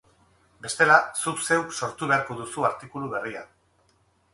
Bestela, zuk zeuk sortu beharko duzu artikulu berria.